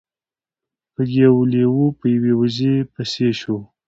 یو لیوه په یوې وزې پسې شو.